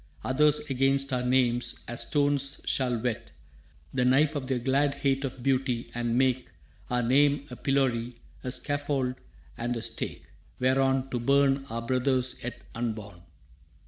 Others against our names, as stones, shall whet The knife of their glad hate of beauty, and make Our name a pillory, a scaffold and a stake Whereon to burn our brothers yet unborn.